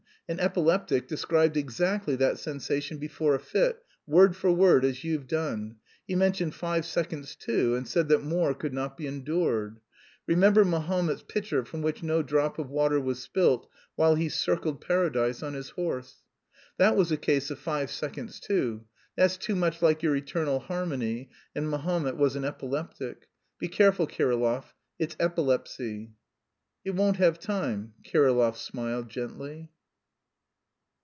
An epileptic described exactly that sensation before a fit, word for word as you've done. He mentioned five seconds, too, and said that more could not be endured. Remember Mahomet's pitcher from which no drop of water was spilt while he circled Paradise on his horse. That was a case of five seconds too; that's too much like your eternal harmony, and Mahomet was an epileptic. Be careful, Kirillov, it's epilepsy!" "It won't have time," Kirillov smiled gently.